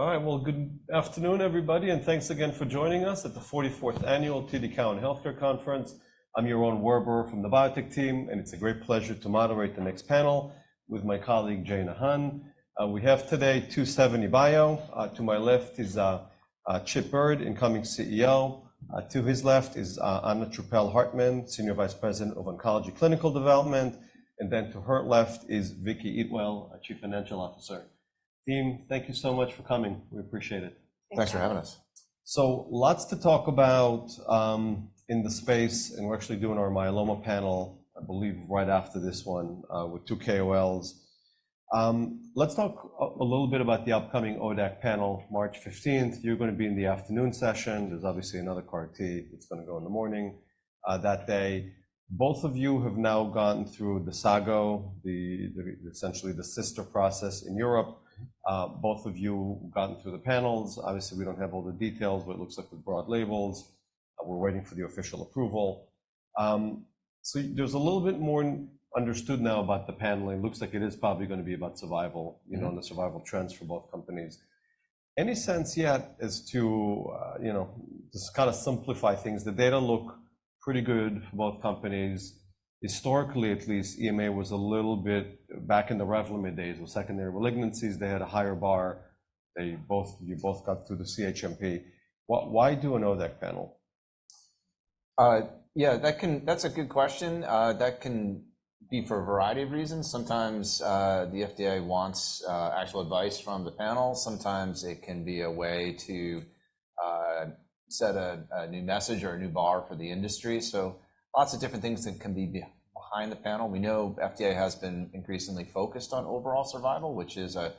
All right, well, good afternoon, everybody, and thanks again for joining us at the 44th Annual TD Cowen Healthcare Conference. I'm Yaron Werber from the biotech team, and it's a great pleasure to moderate the next panel with my colleague Jayna Hun. We have today 2seventy bio. To my left is Chip Baird, incoming CEO. To his left is Anna Truppel-Hartmann, Senior Vice President of Oncology Clinical Development, and then to her left is Vicki Eatwell, Chief Financial Officer. Team, thank you so much for coming. We appreciate it. Thanks for having us. So lots to talk about in the space, and we're actually doing our myeloma panel, I believe, right after this one with two KOLs. Let's talk a little bit about the upcoming ODAC panel, March 15th. You're going to be in the afternoon session. There's obviously another CAR-T that's going to go in the morning that day. Both of you have now gone through the SAG-O, essentially the sister process in Europe. Both of you have gotten through the panels. Obviously, we don't have all the details, but it looks like with broad labels, we're waiting for the official approval. So there's a little bit more understood now about the panel. It looks like it is probably going to be about survival and the survival trends for both companies. Any sense yet as to just kind of simplify things? The data look pretty good for both companies. Historically, at least, EMA was a little bit back in the Revlimid days with secondary malignancies. They had a higher bar. You both got through the CHMP. Why do an ODAC panel? Yeah, that's a good question. That can be for a variety of reasons. Sometimes the FDA wants actual advice from the panel. Sometimes it can be a way to set a new message or a new bar for the industry. So lots of different things that can be behind the panel. We know the FDA has been increasingly focused on overall survival, which is a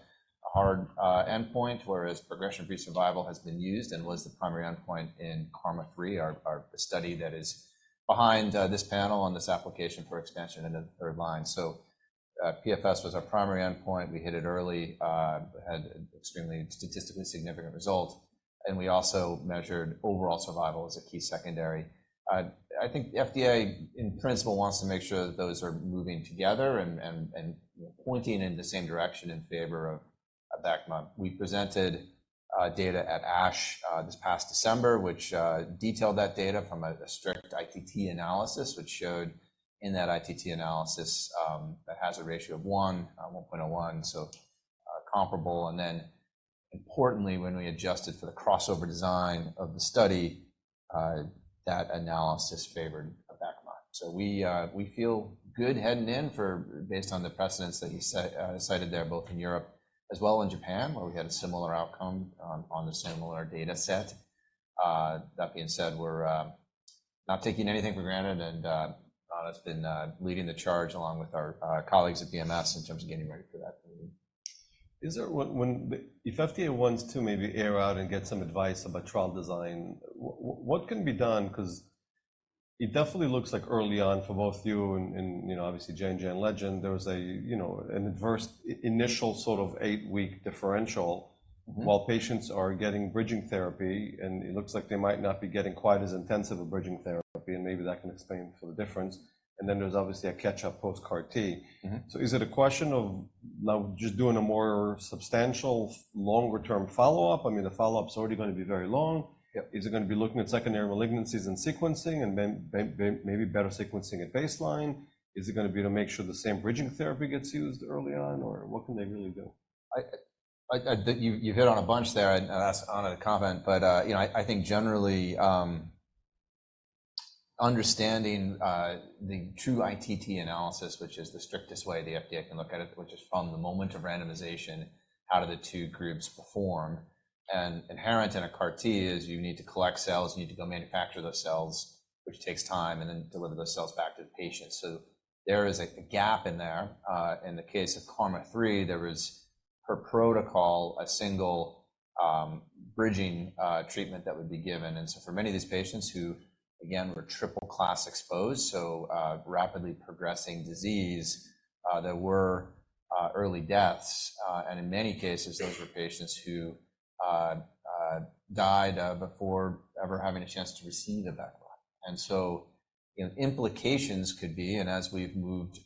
hard endpoint, whereas progression-free survival has been used and was the primary endpoint in KarMMa-3, our study that is behind this panel on this application for expansion in the third line. So PFS was our primary endpoint. We hit it early, had extremely statistically significant results, and we also measured overall survival as a key secondary. I think the FDA, in principle, wants to make sure that those are moving together and pointing in the same direction in favor of Abecma. We presented data at ASH this past December, which detailed that data from a strict ITT analysis, which showed in that ITT analysis that has a ratio of 1- 1.01, so comparable. And then importantly, when we adjusted for the crossover design of the study, that analysis favored Abecma. So we feel good heading in based on the precedence that you cited there, both in Europe as well as Japan, where we had a similar outcome on the similar dataset. That being said, we're not taking anything for granted, and it's been leading the charge along with our colleagues at BMS in terms of getting ready for that. Is there when if FDA wants to maybe air out and get some advice about trial design, what can be done? Because it definitely looks like early on for both you and obviously Janssen, Janssen Legend, there was an adverse initial sort of eight-week differential while patients are getting bridging therapy, and it looks like they might not be getting quite as intensive a bridging therapy, and maybe that can explain for the difference. And then there's obviously a catch-up post-CAR-T. So is it a question of now just doing a more substantial longer-term follow-up? I mean, the follow-up's already going to be very long. Is it going to be looking at secondary malignancies and sequencing and maybe better sequencing at baseline? Is it going to be to make sure the same bridging therapy gets used early on, or what can they really do? You hit on a bunch there, and that's an honor to comment, but I think generally understanding the true ITT analysis, which is the strictest way the FDA can look at it, which is from the moment of randomization, how do the two groups perform? And inherent in a CAR-T is you need to collect cells, you need to go manufacture those cells, which takes time, and then deliver those cells back to the patient. So there is a gap in there. In the case of KarMMa-3, there was per protocol a single bridging treatment that would be given. And so for many of these patients who, again, were triple-class exposed, so rapidly progressing disease, there were early deaths, and in many cases, those were patients who died before ever having a chance to receive the Abecma. And so implications could be, and as we've moved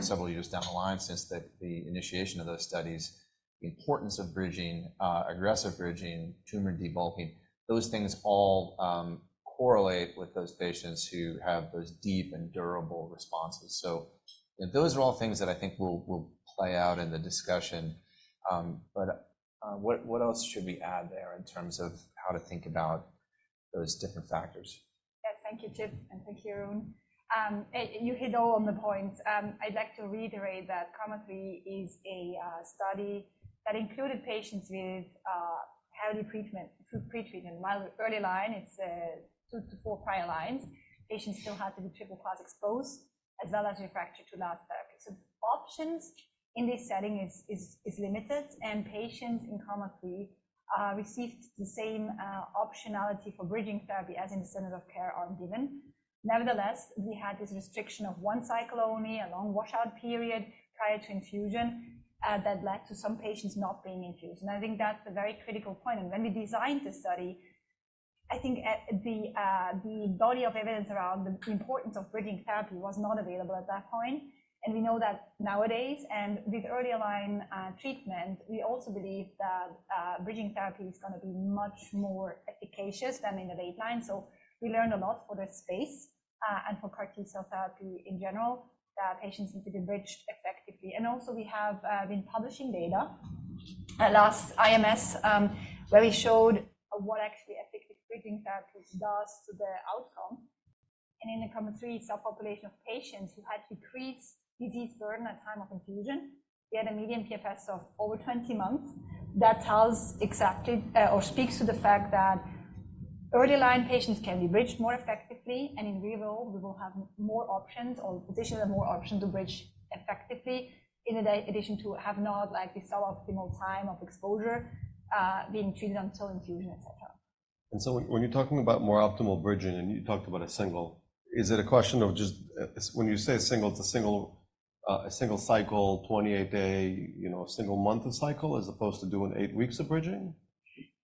several years down the line since the initiation of those studies, the importance of bridging, aggressive bridging, tumor debulking, those things all correlate with those patients who have those deep and durable responses. So those are all things that I think will play out in the discussion. But what else should we add there in terms of how to think about those different factors? Yeah, thank you, Chip, and thank you, Yaron. You hit all on the points. I'd like to reiterate that KarMMa-3 is a study that included patients with heavily pretreated early line. It's two to four prior lines. Patients still had to be triple-class exposed as well as refractory to last therapy. So options in this setting are limited, and patients in KarMMa-3 received the same optionality for bridging therapy as in the centers of care aren't given. Nevertheless, we had this restriction of one cycle only, a long washout period prior to infusion that led to some patients not being infused. And I think that's a very critical point. And when we designed this study, I think the body of evidence around the importance of bridging therapy was not available at that point, and we know that nowadays. With early line treatment, we also believe that bridging therapy is going to be much more efficacious than in the late line. So we learned a lot for this space and for CAR-T cell therapy in general that patients need to be bridged effectively. And also we have been publishing data at last IMS where we showed what actually effective bridging therapy does to the outcome. And in the KarMMa-3 subpopulation of patients who had decreased disease burden at time of infusion, we had a median PFS of over 20 months. That tells exactly or speaks to the fact that early line patients can be bridged more effectively, and in real world, we will have more options or physicians have more options to bridge effectively in addition to having not the suboptimal time of exposure being treated until infusion, etc. When you're talking about more optimal bridging, and you talked about a single, is it a question of just when you say single, it's a single cycle, 28-day, single month of cycle as opposed to doing eight weeks of bridging?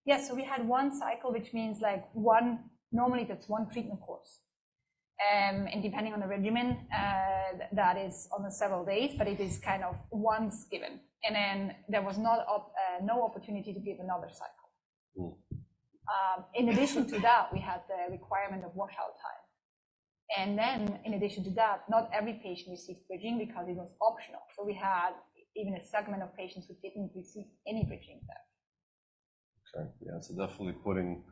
Yes. So we had one cycle, which means normally that's one treatment course. And depending on the regimen, that is almost several days, but it is kind of once given. And then there was no opportunity to give another cycle. In addition to that, we had the requirement of washout time. And then in addition to that, not every patient received bridging because it was optional. So we had even a segment of patients who didn't receive any bridging there. Okay. Yeah. So definitely putting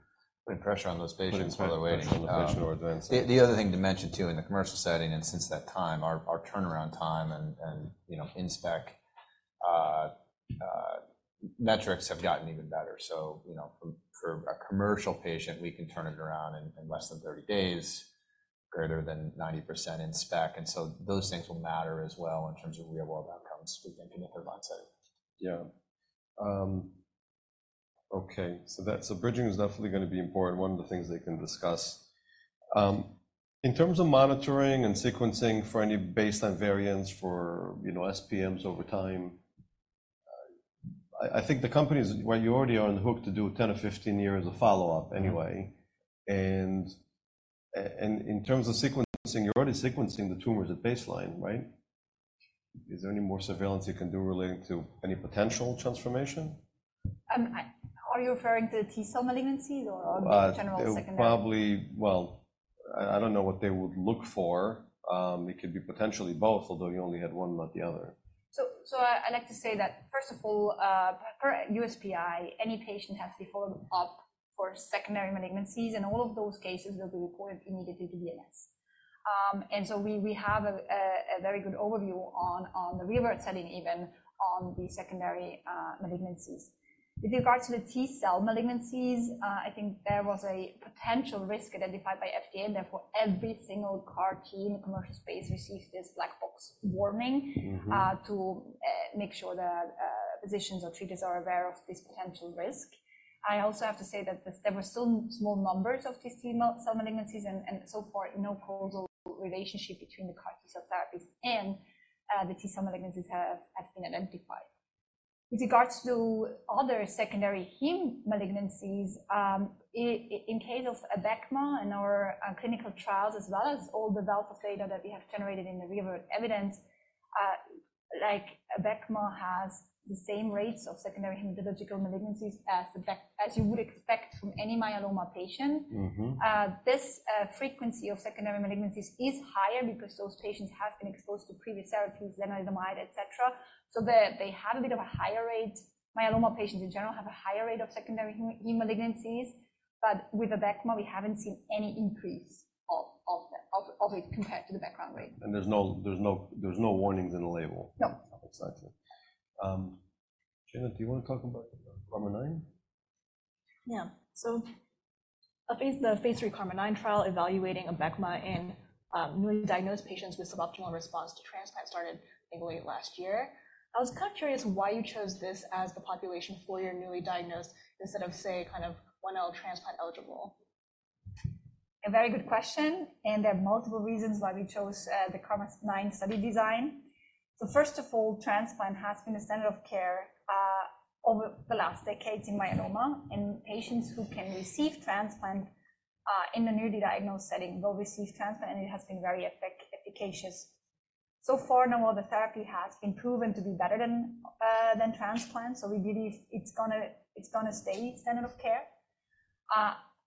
pressure on those patients while they're waiting on the patient who are doing so. The other thing to mention too in the commercial setting, and since that time, our turnaround time and in-spec metrics have gotten even better. So for a commercial patient, we can turn it around in less than 30 days, greater than 90% in-spec. And so those things will matter as well in terms of real-world outcomes, we think, in the third line setting. Yeah. Okay. So bridging is definitely going to be important, one of the things they can discuss. In terms of monitoring and sequencing for any baseline variants for SPMs over time, I think the companies, well, you already are on the hook to do 10 or 15 years of follow-up anyway. And in terms of sequencing, you're already sequencing the tumors at baseline, right? Is there any more surveillance you can do relating to any potential transformation? Are you referring to T-cell malignancies or general secondary? Well, I don't know what they would look for. It could be potentially both, although you only had one, not the other. So I like to say that, first of all, per USPI, any patient has to be followed up for secondary malignancies, and all of those cases will be reported immediately to BMS. And so we have a very good overview on the real-world setting, even on the secondary malignancies. With regards to the T-cell malignancies, I think there was a potential risk identified by FDA. Therefore, every single CAR-T in the commercial space received this Black Box Warning to make sure that physicians or treaters are aware of this potential risk. I also have to say that there were still small numbers of these T-cell malignancies, and so far, no causal relationship between the CAR-T cell therapies and the T-cell malignancies has been identified. With regards to other secondary hematological malignancies, in case of an Abecma in our clinical trials, as well as all the wealth of data that we have generated in the real-world evidence, an Abecma has the same rates of secondary hematological malignancies as you would expect from any myeloma patient. This frequency of secondary malignancies is higher because those patients have been exposed to previous therapies, lenalidomide, etc. So they have a bit of a higher rate. Myeloma patients, in general, have a higher rate of secondary hematological malignancies, but with an Abecma, we haven't seen any increase of it compared to the background rate. There's no warnings in the label? No. Exactly. Anna, do you want to talk about KarMMa-9? Yeah. So the phase 3 KarMMa-9 trial evaluating Abecma in newly diagnosed patients with suboptimal response to transplant started, I think, late last year. I was kind of curious why you chose this as the population for your newly diagnosed instead of, say, kind of 1L transplant eligible. A very good question. There are multiple reasons why we chose the KarMMa-9 study design. So first of all, transplant has been a standard of care over the last decades in myeloma, and patients who can receive transplant in a newly diagnosed setting will receive transplant, and it has been very efficacious. So far, now, all the therapy has been proven to be better than transplant, so we believe it's going to stay standard of care.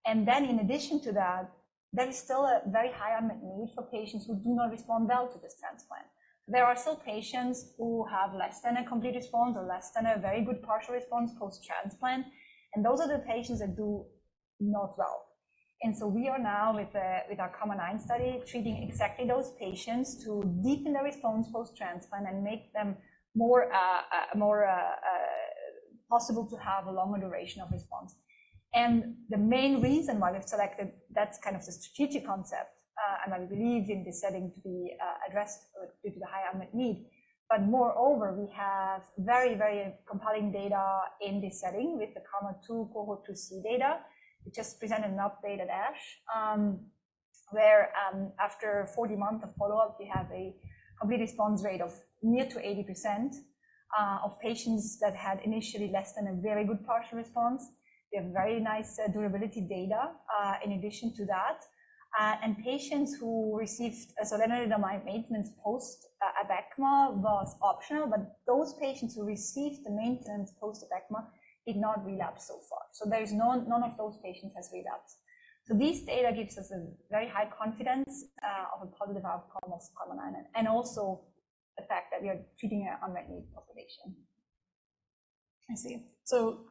And then in addition to that, there is still a very high unmet need for patients who do not respond well to this transplant. There are still patients who have less than a complete response or less than a very good partial response post-transplant, and those are the patients that do not well. So we are now, with our KarMMa-9 study, treating exactly those patients to deepen their response post-transplant and make them more possible to have a longer duration of response. The main reason why we've selected that's kind of the strategic concept, and I believe in this setting to be addressed due to the high unmet need. Moreover, we have very, very compelling data in this setting with the KarMMa-2 cohort 2C data. We just presented an update at ASH where after 40 months of follow-up, you have a complete response rate of near to 80% of patients that had initially less than a very good partial response. We have very nice durability data in addition to that. And patients who received lenalidomide maintenance post Abecma was optional, but those patients who received the maintenance post Abecma did not relapse so far. None of those patients have relapsed. These data gives us a very high confidence of a positive outcome of KarMMa-9 and also the fact that we are treating an unmet need population. I see. So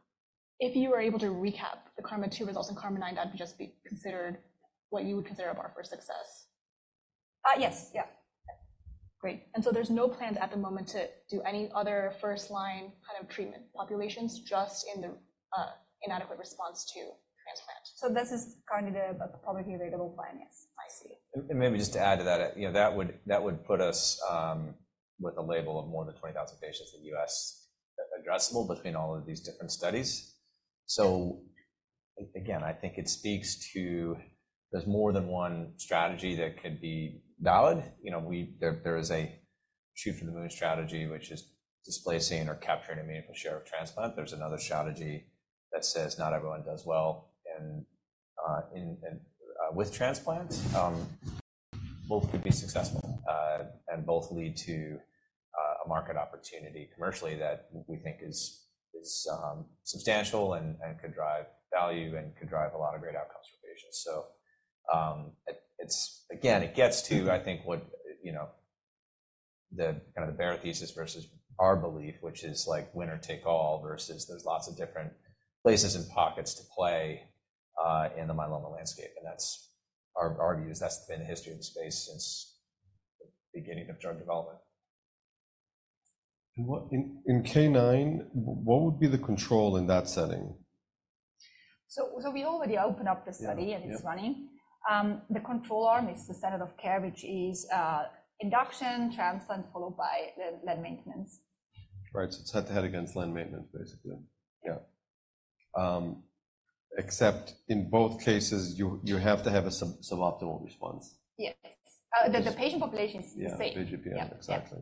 if you were able to recap the KarMMa-2 results in KarMMa-9, that would just be considered what you would consider a bar for success? Yes. Yeah. Great. And so there's no plans at the moment to do any other first-line kind of treatment populations just in inadequate response to transplant? This is currently the publicly available plan, yes. I see. Maybe just to add to that, that would put us with a label of more than 20,000 patients in the U.S. addressable between all of these different studies. So again, I think it speaks to there's more than one strategy that could be valid. There is a shoot-for-the-moon strategy, which is displacing or capturing a meaningful share of transplant. There's another strategy that says not everyone does well with transplants. Both could be successful and both lead to a market opportunity commercially that we think is substantial and could drive value and could drive a lot of great outcomes for patients. So again, it gets to, I think, kind of the bear thesis versus our belief, which is winner take all versus there's lots of different places and pockets to play in the myeloma landscape. Our view is that's been the history of the space since the beginning of drug development. In KarMMa-9, what would be the control in that setting? We already opened up the study, and it's running. The control arm is the standard of care, which is induction, transplant, followed by Len maintenance. Right. So it's head-to-head against Len maintenance, basically. Yeah. Except in both cases, you have to have a suboptimal response? Yes. The patient population is the same. Yeah. VGPR. Exactly.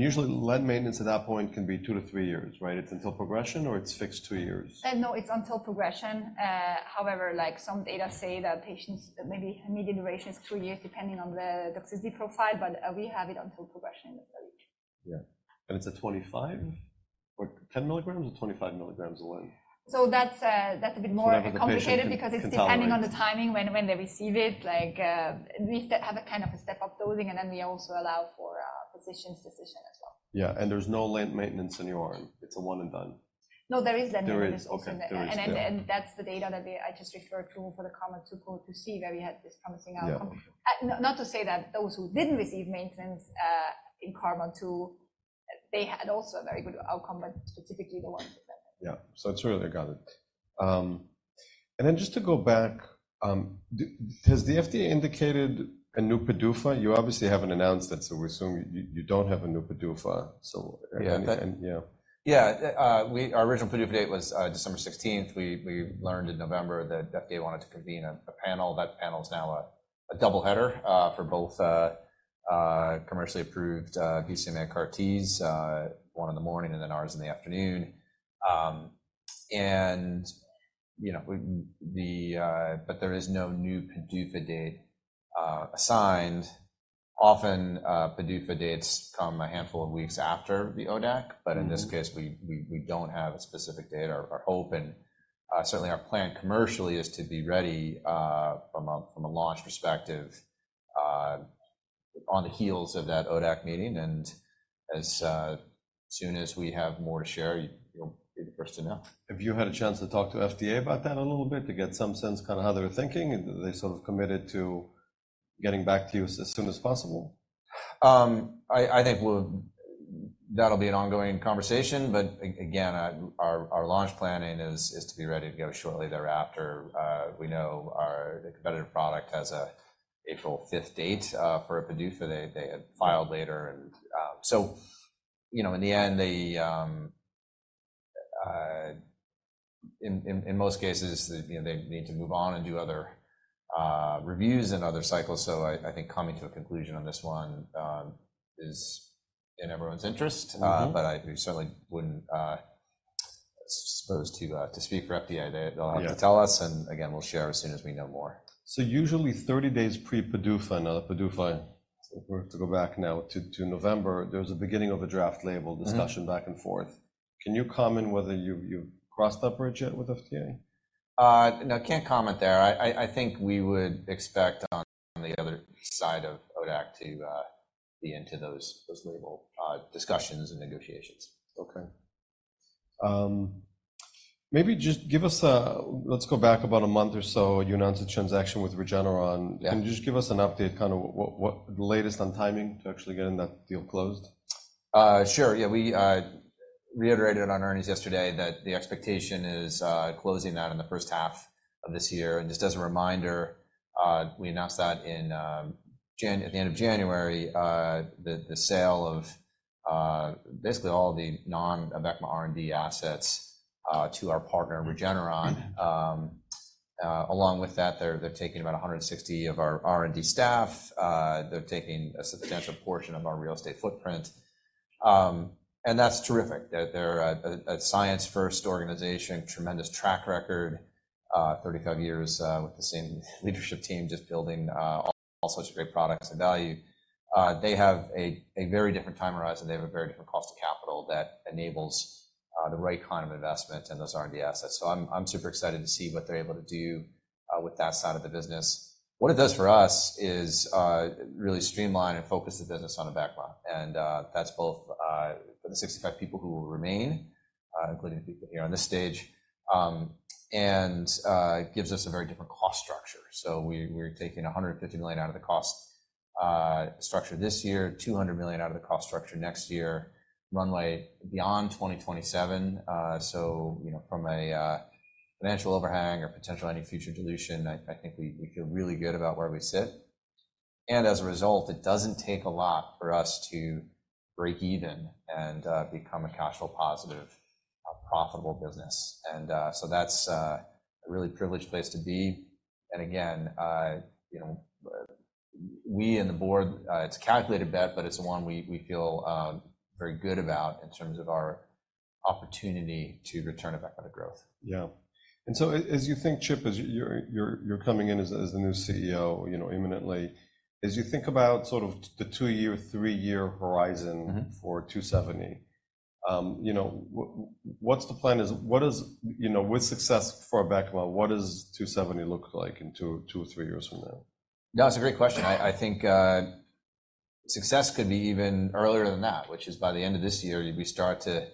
Usually, Len maintenance at that point can be two to three years, right? It's until progression, or it's fixed two years? No, it's until progression. However, some data say that patients' median duration is two years, depending on the toxicity profile, but we have it until progression in the study. Yeah. And it's 25 mg or 10 mg or 25 mg of Revlimid? That's a bit more complicated because it's depending on the timing, when they receive it. We have a kind of a step-up dosing, and then we also allow for physician's decision as well. Yeah. There's no Len maintenance in your arm? It's a one-and-done? No, there is Len maintenance also in the area. And that's the data that I just referred to for the KarMMa-2 cohort 2C where we had this promising outcome. Not to say that those who didn't receive maintenance in KarMMa-2, they had also a very good outcome, but specifically the ones with that. Yeah. So it's earlier. Got it. And then just to go back, has the FDA indicated a new PDUFA? You obviously haven't announced it, so we assume you don't have a new PDUFA. So yeah. Yeah. Our original PDUFA date was December 16th. We learned in November that FDA wanted to convene a panel. That panel's now a double-header for both commercially approved BCMA CAR-Ts, one in the morning and then ours in the afternoon. But there is no new PDUFA date assigned. Often, PDUFA dates come a handful of weeks after the ODAC, but in this case, we don't have a specific date. Our hope, and certainly our plan commercially, is to be ready from a launch perspective on the heels of that ODAC meeting. And as soon as we have more to share, you'll be the first to know. Have you had a chance to talk to FDA about that a little bit to get some sense kind of how they're thinking? They sort of committed to getting back to you as soon as possible? I think that'll be an ongoing conversation. But again, our launch planning is to be ready to go shortly thereafter. We know our competitor product has an April 5th date for a PDUFA. They had filed later. And so in the end, in most cases, they need to move on and do other reviews and other cycles. So I think coming to a conclusion on this one is in everyone's interest, but we certainly wouldn't, I suppose, to speak for FDA. They'll have to tell us. And again, we'll share as soon as we know more. Usually, 30 days pre-PDUFA, now the PDUFA, if we're to go back now to November, there's a beginning of a draft label discussion back and forth. Can you comment whether you've crossed that bridge yet with FDA? No, I can't comment there. I think we would expect on the other side of ODAC to be into those label discussions and negotiations. Okay. Maybe just give us, let's go back about a month or so. You announced a transaction with Regeneron. Can you just give us an update, kind of the latest on timing to actually get that deal closed? Sure. Yeah. We reiterated on earnings yesterday that the expectation is closing that in the first half of this year. Just as a reminder, we announced that at the end of January, the sale of basically all the non-Abecma R&D assets to our partner, Regeneron. Along with that, they're taking about 160 of our R&D staff. They're taking a substantial portion of our real estate footprint. And that's terrific. They're a science-first organization, tremendous track record, 35 years with the same leadership team just building all such great products and value. They have a very different time horizon. They have a very different cost of capital that enables the right kind of investment in those R&D assets. So I'm super excited to see what they're able to do with that side of the business. What it does for us is really streamline and focus the business on Abecma. That's both for the 65 people who will remain, including the people here on this stage, and gives us a very different cost structure. So we're taking $150 million out of the cost structure this year, $200 million out of the cost structure next year, runway beyond 2027. So from a financial overhang or potential any future dilution, I think we feel really good about where we sit. And as a result, it doesn't take a lot for us to break even and become a cash-flow positive, profitable business. And so that's a really privileged place to be. And again, we and the board, it's a calculated bet, but it's the one we feel very good about in terms of our opportunity to return Abecma to growth. Yeah. And so as you think, Chip, as you're coming in as the new CEO imminently, as you think about sort of the two-year, three-year horizon for 270, what's the plan? With success for Abecma, what does 270 look like in two or three years from now? No, that's a great question. I think success could be even earlier than that, which is by the end of this year, we start to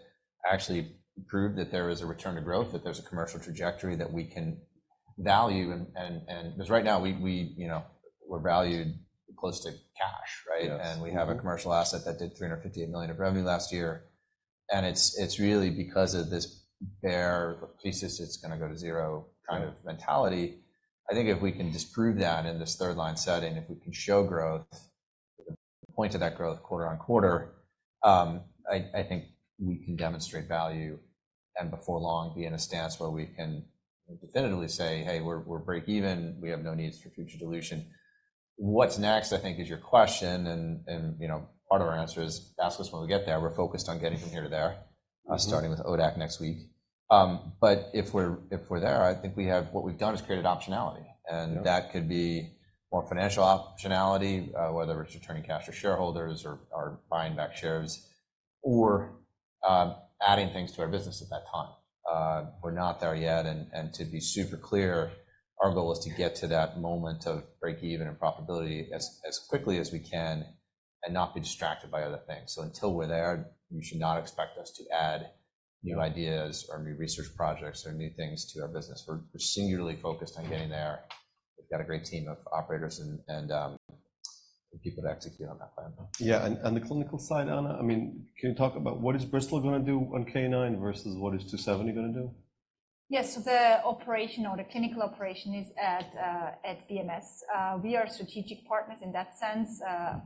actually prove that there is a return to growth, that there's a commercial trajectory that we can value. Because right now, we're valued close to cash, right? And we have a commercial asset that did $358 million of revenue last year. And it's really because of this bear thesis - it's going to go to zero - kind of mentality. I think if we can disprove that in this third-line setting, if we can show growth, point to that growth quarter on quarter, I think we can demonstrate value and before long be in a stance where we can definitively say, "Hey, we're break even. We have no needs for future dilution." What's next, I think, is your question. Part of our answer is, "Ask us when we get there. We're focused on getting from here to there, starting with ODAC next week." But if we're there, I think what we've done is created optionality. That could be more financial optionality, whether it's returning cash to shareholders or buying back shares or adding things to our business at that time. We're not there yet. To be super clear, our goal is to get to that moment of break even and profitability as quickly as we can and not be distracted by other things. Until we're there, you should not expect us to add new ideas or new research projects or new things to our business. We're singularly focused on getting there. We've got a great team of operators and people to execute on that plan. Yeah. And the clinical side, Anna? I mean, can you talk about what is Bristol going to do on KarMMa-9 versus what is 2seventy going to do? Yes. So the operation or the clinical operation is at BMS. We are strategic partners in that sense.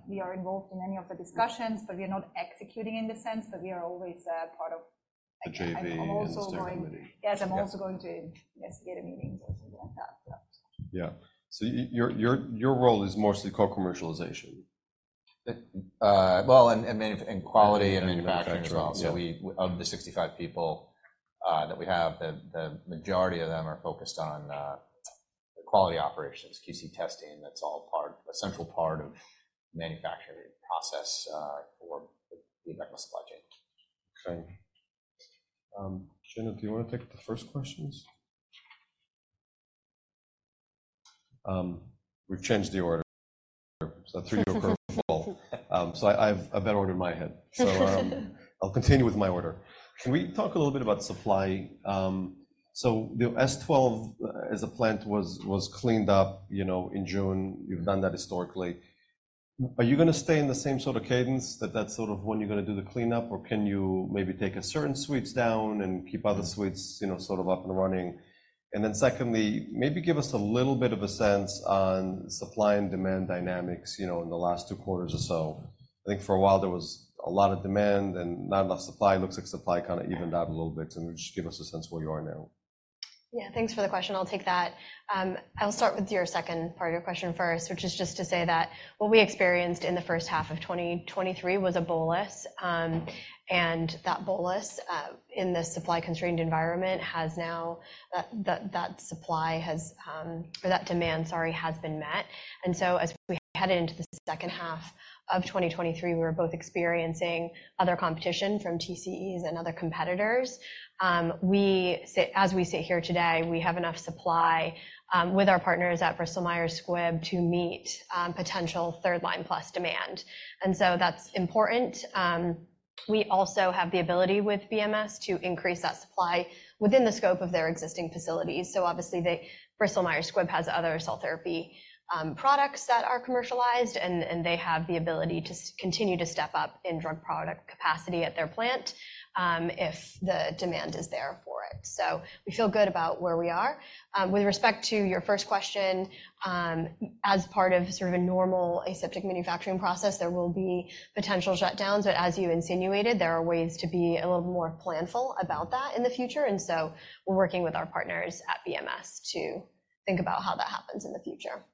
We are involved in any of the discussions, but we are not executing in the sense. But we are always part of execution and also going to. The JV and also committee. Yes. I'm also going to investigator meetings or something like that. Yeah. Your role is mostly co-commercialization? Well, and quality and manufacturing as well. So of the 65 people that we have, the majority of them are focused on quality operations, QC testing. That's all a central part of the manufacturing process for the Abecma supply chain. Okay. Jenna, do you want to take the first questions? We've changed the order. It's a three-year approval. So I have a better order in my head. So I'll continue with my order. Can we talk a little bit about supply? So the S12, as a plant, was cleaned up in June. You've done that historically. Are you going to stay in the same sort of cadence, that that's sort of when you're going to do the cleanup, or can you maybe take certain suites down and keep other suites sort of up and running? And then secondly, maybe give us a little bit of a sense on supply and demand dynamics in the last two quarters or so. I think for a while, there was a lot of demand and not enough supply. It looks like supply kind of evened out a little bit. So, just give us a sense where you are now? Yeah. Thanks for the question. I'll take that. I'll start with your second part of your question first, which is just to say that what we experienced in the first half of 2023 was a bolus. That bolus in this supply-constrained environment has now, sorry, that demand has been met. So as we headed into the second half of 2023, we were both experiencing other competition from TCEs and other competitors. As we sit here today, we have enough supply with our partners at Bristol Myers Squibb to meet potential third-line plus demand. So that's important. We also have the ability with BMS to increase that supply within the scope of their existing facilities. So obviously, Bristol Myers Squibb has other cell therapy products that are commercialized, and they have the ability to continue to step up in drug product capacity at their plant if the demand is there for it. So we feel good about where we are. With respect to your first question, as part of sort of a normal aseptic manufacturing process, there will be potential shutdowns. But as you insinuated, there are ways to be a little more planful about that in the future. And so we're working with our partners at BMS to think about how that happens in the future.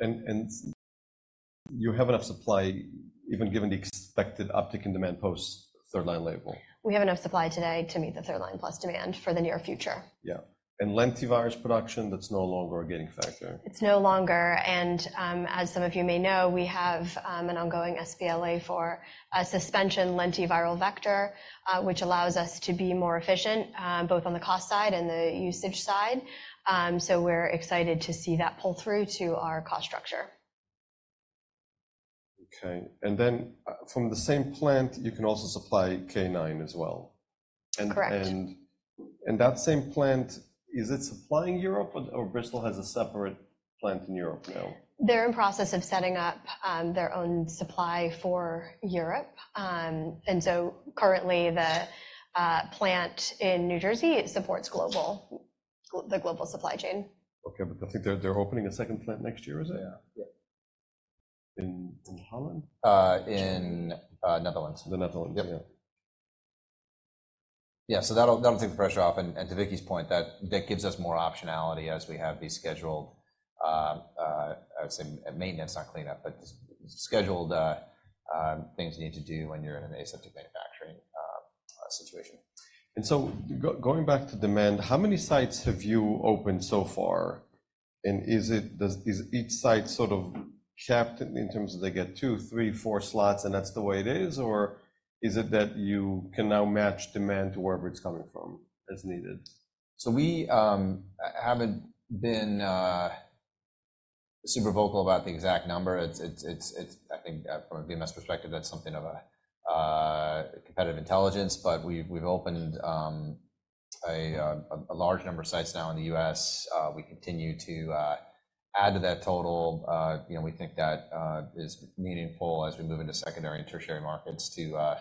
You have enough supply, even given the expected uptick in demand post third-line label? We have enough supply today to meet the third-line plus demand for the near future. Yeah. Lentivirus production, that's no longer a gaining factor? It's no longer. As some of you may know, we have an ongoing sBLA for a suspension lentiviral vector, which allows us to be more efficient both on the cost side and the usage side. We're excited to see that pull through to our cost structure. Okay. And then from the same plant, you can also supply KarMMa-9 as well. Correct. That same plant, is it supplying Europe, or Bristol has a separate plant in Europe now? They're in process of setting up their own supply for Europe. And so currently, the plant in New Jersey, it supports the global supply chain. Okay. But I think they're opening a second plant next year, is it? Yeah. In Holland? In Netherlands. The Netherlands. Yeah. Yeah. So that'll take the pressure off. And to Vicki's point, that gives us more optionality as we have these scheduled, I would say, maintenance, not cleanup, but scheduled things you need to do when you're in an aseptic manufacturing situation. Going back to demand, how many sites have you opened so far? Is each site sort of capped in terms of they get two, three, four slots, and that's the way it is? Is it that you can now match demand to wherever it's coming from as needed? So we haven't been super vocal about the exact number. I think from a BMS perspective, that's something of a competitive intelligence. But we've opened a large number of sites now in the U.S. We continue to add to that total. We think that is meaningful as we move into secondary and tertiary markets to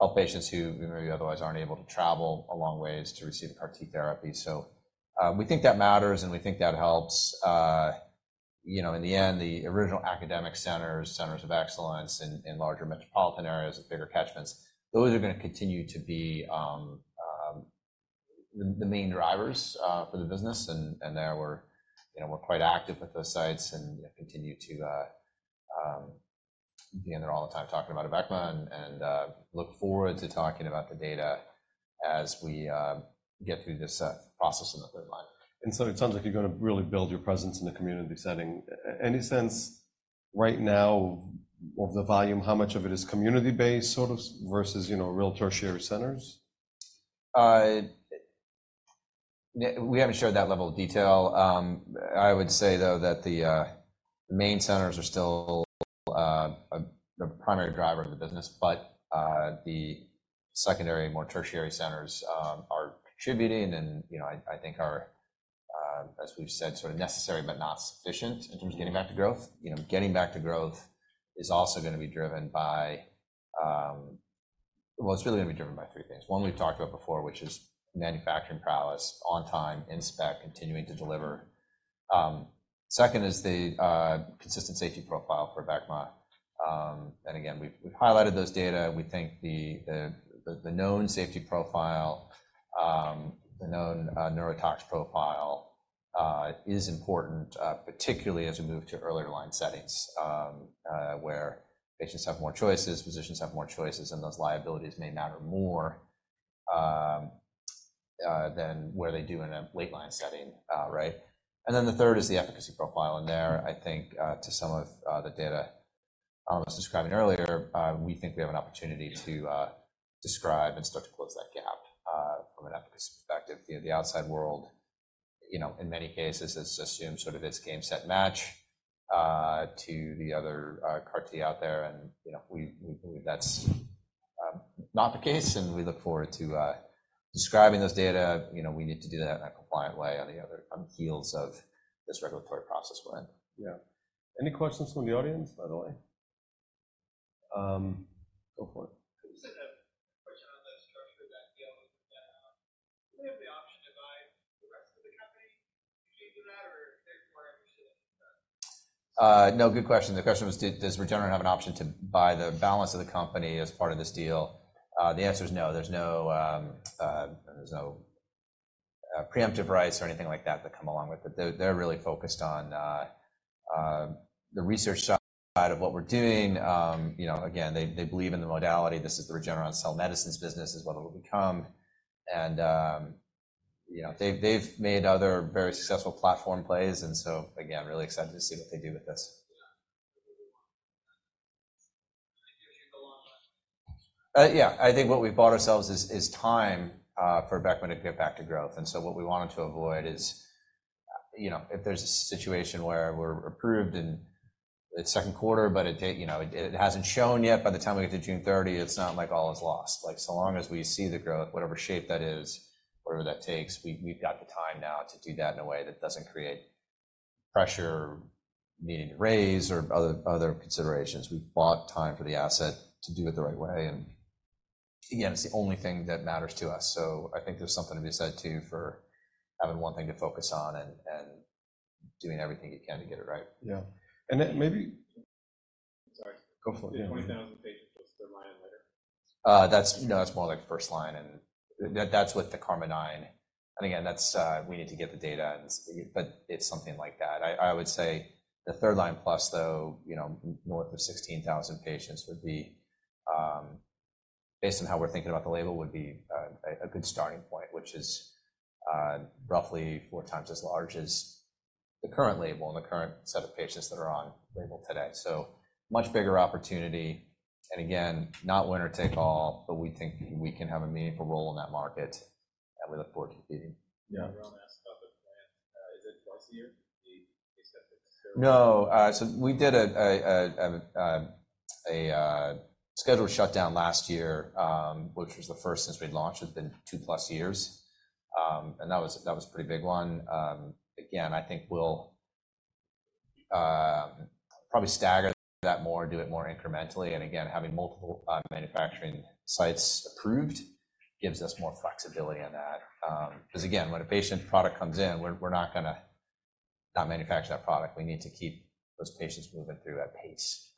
help patients who maybe otherwise aren't able to travel a long ways to receive CAR-T therapy. So we think that matters, and we think that helps. In the end, the original academic centers, centers of excellence in larger metropolitan areas and bigger catchments, those are going to continue to be the main drivers for the business. And there we're quite active with those sites and continue to be in there all the time talking about Abecma and look forward to talking about the data as we get through this process in the third line. And so it sounds like you're going to really build your presence in the community setting. Any sense right now of the volume, how much of it is community-based sort of versus real tertiary centers? We haven't shared that level of detail. I would say, though, that the main centers are still a primary driver of the business, but the secondary, more tertiary centers are contributing. And I think are, as we've said, sort of necessary but not sufficient in terms of getting back to growth. Getting back to growth is also going to be driven by well, it's really going to be driven by three things. One, we've talked about before, which is manufacturing prowess, on-time, inspect, continuing to deliver. Second is the consistent safety profile for Abecma. And again, we've highlighted those data. We think the known safety profile, the known neurotox profile is important, particularly as we move to earlier line settings where patients have more choices, physicians have more choices, and those liabilities may matter more than where they do in a late-line setting, right? Then the third is the efficacy profile. And there, I think to some of the data I was describing earlier, we think we have an opportunity to describe and start to close that gap from an efficacy perspective. The outside world, in many cases, has assumed sort of it's game set match to the other CAR-T out there. And we believe that's not the case. And we look forward to describing those data. We need to do that in a compliant way on the heels of this regulatory process plan. Yeah. Any questions from the audience, by the way? Go for it. Can you set up a question on the structure of that deal? Do they have the option to buy the rest of the company to change that, or they're more interested in that? No. Good question. The question was, does Regeneron have an option to buy the balance of the company as part of this deal? The answer is no. There's no preemptive rights or anything like that that come along with it. They're really focused on the research side of what we're doing. Again, they believe in the modality. This is the Regeneron cell medicines business is what it will become. And they've made other very successful platform plays. And so again, really excited to see what they do with this. Yeah. What do they want? It gives you the long run. Yeah. I think what we've bought ourselves is time for Abecma to get back to growth. So what we wanted to avoid is if there's a situation where we're approved in the second quarter, but it hasn't shown yet, by the time we get to June 30, it's not like all is lost. So long as we see the growth, whatever shape that is, whatever that takes, we've got the time now to do that in a way that doesn't create pressure needing to raise or other considerations. We've bought time for the asset to do it the right way. Again, it's the only thing that matters to us. So I think there's something to be said too for having one thing to focus on and doing everything you can to get it right. Yeah. And maybe. Sorry. Go for it. 20,000 patients plus third line and later? No, that's more like first line. And that's with the KarMMa-9. And again, we need to get the data, but it's something like that. I would say the third line plus, though, north of 16,000 patients would be, based on how we're thinking about the label, would be a good starting point, which is roughly four times as large as the current label and the current set of patients that are on label today. So much bigger opportunity. And again, not winner-take-all, but we think we can have a meaningful role in that market, and we look forward to competing. Yeah. We were asked about the plant. Is it twice a year? The aseptic therapy? No. So we did a scheduled shutdown last year, which was the first since we'd launched. It's been two-plus years. And that was a pretty big one. Again, I think we'll probably stagger that more, do it more incrementally. And again, having multiple manufacturing sites approved gives us more flexibility in that. Because again, when a patient's product comes in, we're not going to not manufacture that product. We need to keep those patients moving through at pace.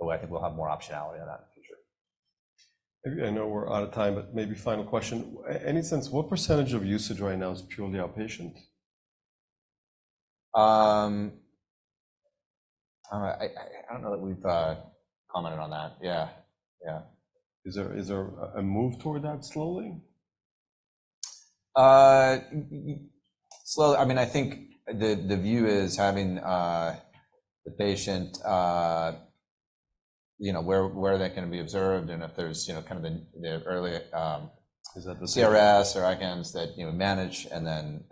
But I think we'll have more optionality on that in the future. I know we're out of time, but maybe final question. Any sense, what percentage of usage right now is purely outpatient? I don't know that we've commented on that. Yeah. Yeah. Is there a move toward that slowly? Slowly. I mean, I think the view is having the patient where are they going to be observed? And if there's kind of the early. Is that the same? CRS or ICANS that manage and then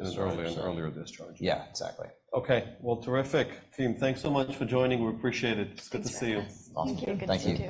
discharge. Earlier discharge. Yeah. Exactly. Okay. Well, terrific, team. Thanks so much for joining. We appreciate it. It's good to see you. Thank you. Awesome. You too. Good to see you.